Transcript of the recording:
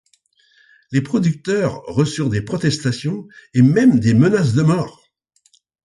Les producteurs reçurent des protestations et même des menaces de mort.